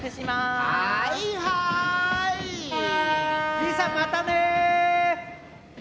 じいさんまたね！